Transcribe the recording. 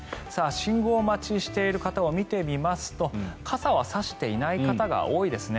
信号待ちしている方を見てみますと傘は差していない方が多いですね。